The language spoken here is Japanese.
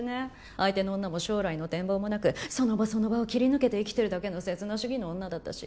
相手の女も将来の展望もなくその場その場を切り抜けて生きてるだけの刹那主義の女だったし。